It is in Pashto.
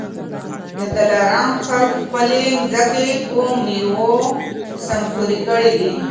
د دلارام خلکو خپلي مځکې په میوو سمسوري کړي دي